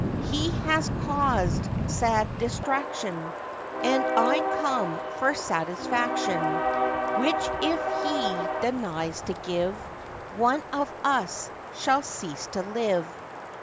'He has causèd sad distraction, And I come for satisfaction, Which if he denies to give, One of us shall cease to live.